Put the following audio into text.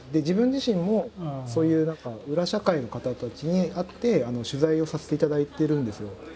自分自身もそういう裏社会の方たちに会って取材をさせていただいてるんですよ。